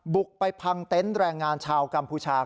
บุกไปพังเต็นต์แรงงานชาวกัมพูชา